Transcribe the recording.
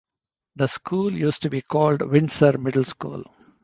The school used to be called Windsor Middle School.